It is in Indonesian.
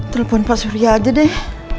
telepon pak surya aja deh